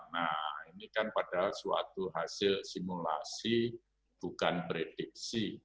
nah ini kan padahal suatu hasil simulasi bukan prediksi